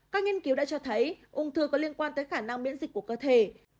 các nghiên cứu đã cho thấy ung thư có liên quan tới khả năng miễn dịch của cơ thể